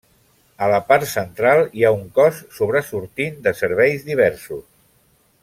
A la part central hi ha un cos sobresortint de serveis diversos.